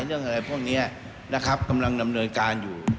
เรื่องอะไรพวกนี้นะครับกำลังดำเนินการอยู่